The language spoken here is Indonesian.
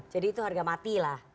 jadi itu harga mati lah